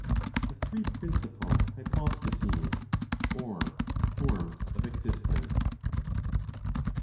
The Three Principal Hypostases, or Forms of Existence.